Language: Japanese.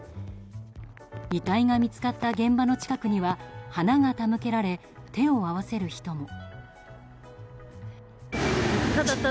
遺体が見つかった現場の近くには花が手向けられ手を合わせる人も。